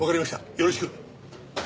よろしく！